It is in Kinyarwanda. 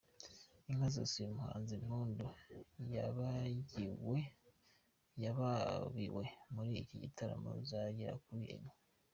Inka zoze uyu muhanzi Mpundu yagabiwe muri iki gitaramo ziragera kuri enye.